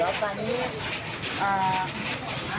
ก็แค่มีเรื่องเดียวให้มันพอแค่นี้เถอะ